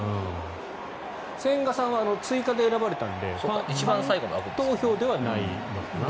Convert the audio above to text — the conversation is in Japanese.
千賀さんは追加で選ばれたのでファン投票ではないのかな。